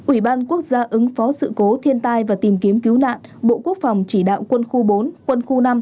ủy ban quốc gia ứng phó sự cố thiên tai và tìm kiếm cứu nạn bộ quốc phòng chỉ đạo quân khu bốn quân khu năm